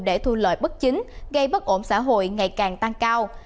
để thu lợi bất chính gây bất ổn xã hội ngày càng tăng cao